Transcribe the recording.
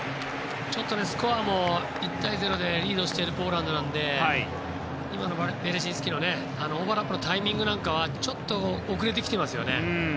ちょっとスコアも１対０でリードしているポーランドなので今のベレシンスキのオーバーラップのタイミングはちょっと遅れてきてますよね。